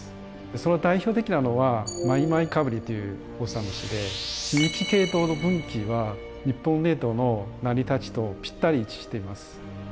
その代表的なのはマイマイカブリというオサムシで地域系統の分岐は日本列島の成り立ちとぴったり一致しています。